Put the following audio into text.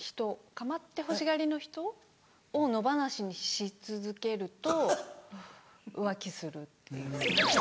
「構ってほしがりの人を野放しにし続けると浮気する」っていう。